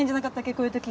こういう時。